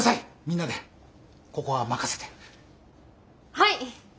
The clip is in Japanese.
はい！